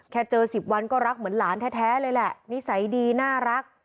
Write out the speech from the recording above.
เจอ๑๐วันก็รักเหมือนหลานแท้เลยแหละนิสัยดีน่ารัก